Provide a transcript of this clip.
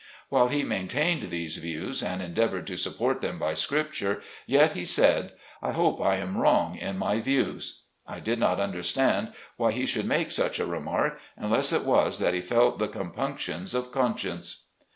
While he maintained these views and endeavored to support them by scripture, yet he said, " I hope I am wrong in my views." I did not understand why he should make such a remark, unless it was that he felt the compunctions of conscience.